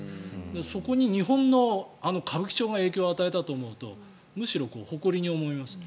そこに日本の歌舞伎町が影響を与えたと思うとむしろ誇りに思いますね。